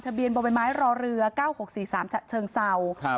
ทะเบียนบอเบนไม้รอเรือ๙๖๔๓เชิงเศร้า